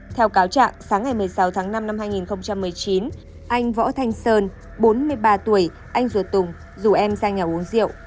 theo cáo trạng sáng ngày một mươi sáu tháng năm năm hai nghìn một mươi chín anh võ thanh sơn bốn mươi ba tuổi anh ruột tùng rủ em ra nhà uống rượu